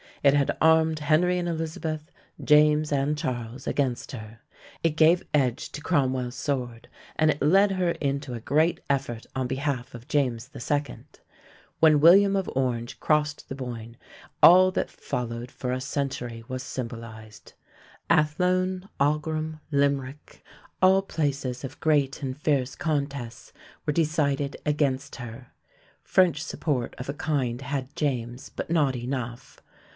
It had armed Henry and Elizabeth, James and Charles against her. It gave edge to Cromwell's sword, and it led her into a great effort on behalf of James II. When William of Orange crossed the Boyne, all that followed for a century was symbolized. Athlone, Aughrim, Limerick, all places of great and fierce contests, were decided against her. French support of a kind had James, but not enough.